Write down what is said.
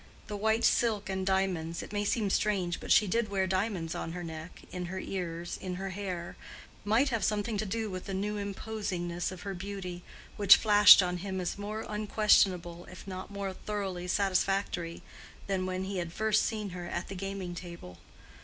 The white silk and diamonds—it may seem strange, but she did wear diamonds on her neck, in her ears, in her hair—might have something to do with the new imposingness of her beauty, which flashed on him as more unquestionable if not more thoroughly satisfactory than when he had first seen her at the gaming table.